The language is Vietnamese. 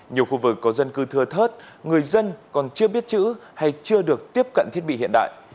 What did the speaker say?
nhiều khu vực có dân cư thưa thớt người dân còn chưa biết chữ hay chưa được tiếp cận thiết bị hiện đại